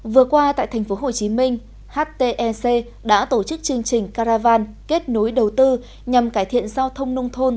vừa qua tại tp hcm htec đã tổ chức chương trình caravan kết nối đầu tư nhằm cải thiện giao thông nông thôn